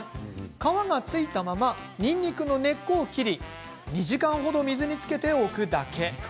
皮がついたままにんにくの根っこを切り２時間程、水につけておくだけ。